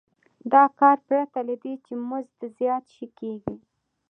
دا کار پرته له دې چې مزد زیات شي کېږي